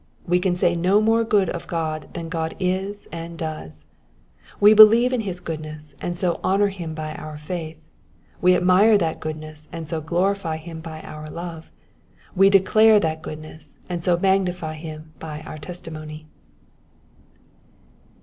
We can say no more good of God than God is and does. We believe in his goodness, and so honour him by our faith ; we admire that goodness, and so glorify him by our love ; we declare that goodness, and so magnify him by our testimony.